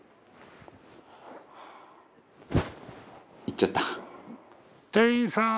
「行っちゃった」